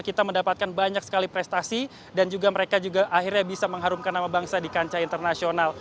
kita mendapatkan banyak sekali prestasi dan juga mereka juga akhirnya bisa mengharumkan nama bangsa di kancah internasional